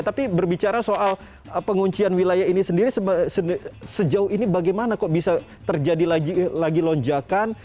tapi berbicara soal penguncian wilayah ini sendiri sejauh ini bagaimana kok bisa terjadi lagi lonjakan